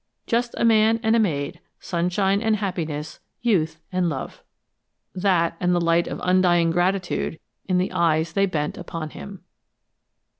Just a man and a maid, sunshine and happiness, youth and love! that, and the light of undying gratitude in the eyes they bent upon him.